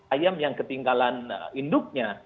ayam yang ketinggalan induknya